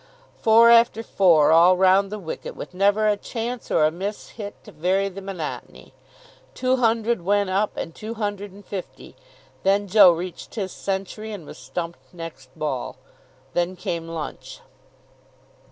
Four after four, all round the wicket, with never a chance or a mishit to vary the monotony. Two hundred went up, and two hundred and fifty. Then Joe reached his century, and was stumped next ball. Then came lunch.